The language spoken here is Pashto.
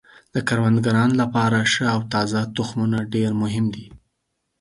د کروندګرانو لپاره ښه او تازه تخمونه ډیر مهم دي.